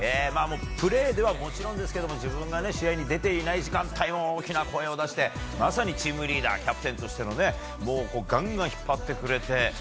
プレーではもちろんですけど自分が試合に出ていない時間帯も大きな声を出してまさにチームリーダーキャプテンとしてガンガン引っ張ってくれて。